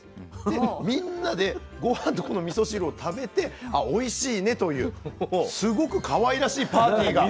でみんなで御飯とこのみそ汁を食べてあおいしいねというすごくかわいらしいパーティーが。